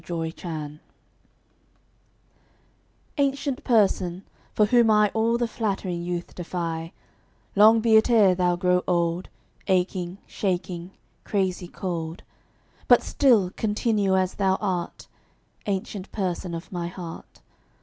7 Autoplay Ancient Person, for whom I All the flattering youth defy, Long be it e'er thou grow old, Aching, shaking, crazy cold; But still continue as thou art, Ancient Person of my heart.